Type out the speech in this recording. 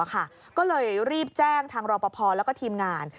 ก็เลยรีบแจ้งทางรอปภแล้วก็ทีมงาน